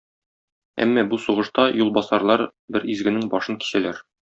Әмма бу сугышта юлбасарлар бер изгенең башын кисәләр.